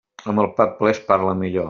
Amb el pap ple es parla millor.